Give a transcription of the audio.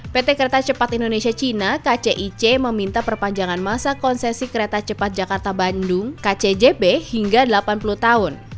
pt kereta cepat indonesia cina meminta perpanjangan masa konsesi kereta cepat jakarta bandung hingga delapan puluh tahun